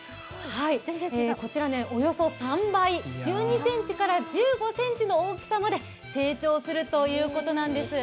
こちら、およそ３倍、１２ｃｍから１５ｃｍの大きさまで成長するということなんです。